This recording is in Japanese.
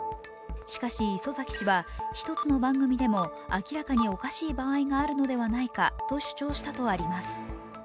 しかし、礒崎氏は１つの番組でも明らかにおかしい番組があるのではないかと主張したとあります。